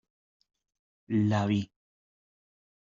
la vi.